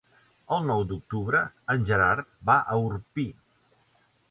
El nou d'octubre en Gerard va a Orpí.